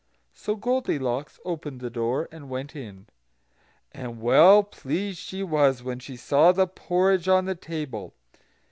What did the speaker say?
So Goldilocks opened the door, and went in; and well pleased she was when she saw the porridge on the table.